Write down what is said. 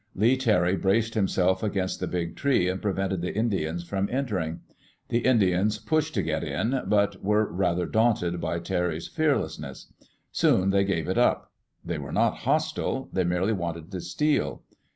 Lee Terry braced himself against the big tree and prevented the Indians from entering. The Indians pushed to get in, but were rather daunted by Terry's fearlessness. Soon they gave it up. They were not hostile ; they merely wanted to steal.